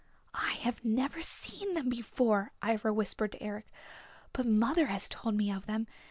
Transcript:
"I have never seen them before," Ivra whispered to Eric. "But mother has told me of them.